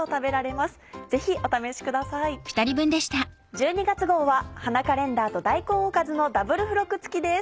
１２月号は「花カレンダー」と「大根おかず」のダブル付録付きです。